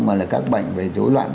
mà là các bệnh về dối loạn